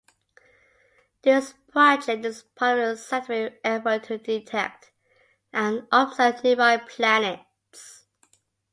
This project is part of a scientific effort to detect and observe nearby planets.